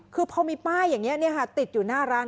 คือพอมีป้ายอย่างนี้ติดอยู่หน้าร้าน